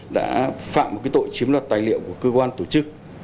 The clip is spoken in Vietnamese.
đã phạm một cái tội chiếm đoạt tài liệu của cơ quan tổ chức